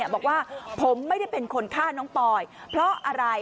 บอกว่าผมไม่ได้เป็นคนฆ่าน้องปอยเพราะอะไร